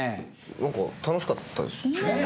何か楽しかったですね。ねぇ。